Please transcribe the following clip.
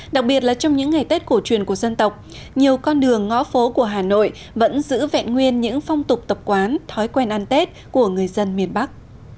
đặc biệt là trong những ngày tết cổ truyền của dân tộc nhiều con đường ngõ phố của hà nội vẫn giữ vẹn nguyên những phong tục tập quán thói quen ăn tết của người dân miền bắc